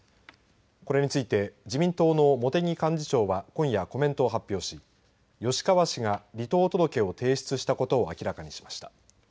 これについて自民党の茂木幹事長は今夜コメントを発表し吉川氏が離党届を提出したことを明らかにしました。